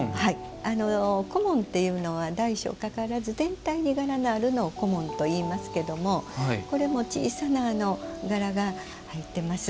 小紋っていうのは大小かかわらず全体に柄のあるのを小紋といいますけれどもこれも小さな柄が入っています。